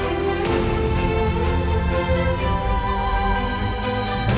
hukuman apakah itu